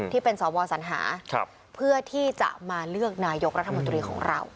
ที่เป็นสวสัญหาเพื่อที่จะมาเลือกนายกรัฐมนตรีของเรา